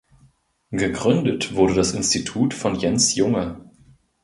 Gegründet wurde das Institut von Jens Junge.